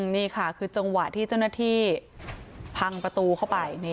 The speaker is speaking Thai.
นี่ค่ะคือจังหวะที่เจ้าหน้าที่พังประตูเข้าไป